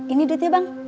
ini duitnya bang